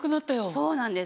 そうなんです。